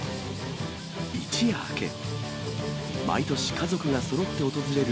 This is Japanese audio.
一夜明け、毎年、家族がそろって訪れる